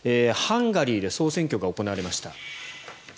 ハンガリーで総選挙が行われました。